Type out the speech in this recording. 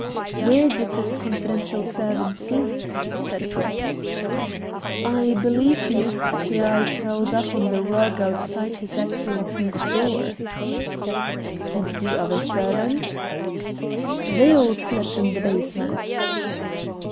"Where did this confidential servant sleep?" said Brett. "I believe he used to lie curled up on the rug outside his Excellency's door." "And the other servants?" "They all slept in the basement."